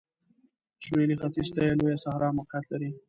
سویلي ختیځ ته یې لویه صحرا موقعیت لري.